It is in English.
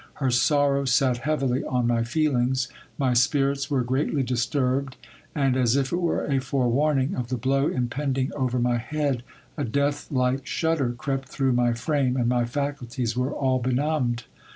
Her sorrow sat heavily on my feelings. My spirits were greatly disturbed ; and, as if it were a forewarning of the blow impending over my head, a death like shudder crept through my frame, and my faculties were all benumbed.